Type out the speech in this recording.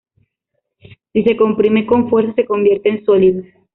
Si se comprime con fuerza, se convierte en sólido.